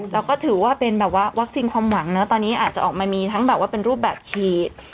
แล้วก็ถือว่าเป็นแบบว่าวัคซีนความหวังเนอะตอนนี้อาจจะออกมามีทั้งแบบว่าเป็นรูปแบบฉีด